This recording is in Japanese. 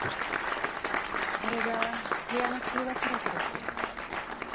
これが部屋の通話記録です。